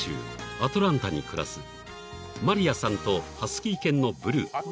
アトランタに暮らすマリヤさんとハスキー犬のブルー］